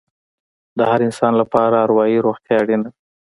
د هر انسان لپاره اروايي روغتیا اړینه ده.